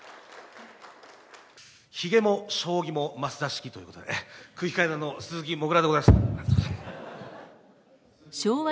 ひげも将棋も升田式ということで、空気階段の鈴木もぐらでございます。